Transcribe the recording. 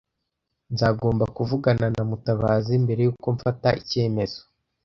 Nzagomba kuvugana na Mutabazi mbere yuko mfata icyemezo.